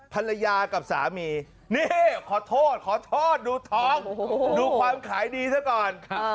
ภรรยากับสามีนี่ขอโทษขอโทษดูท้องดูความขายดีซะก่อน